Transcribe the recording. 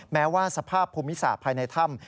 แม้ว่าสภาพภูมิศาสตร์ภายในถ้ำ